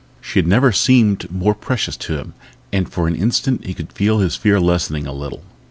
She had never seemed more precious to him and for an instant he could feel his fear lessening a little.